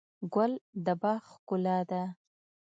ګل د باغ ښکلا ده.